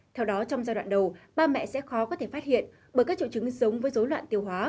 theo đó trong giai đoạn đầu ba mẹ sẽ khó có thể phát hiện bởi các triệu chứng giống với dối loạn tiêu hóa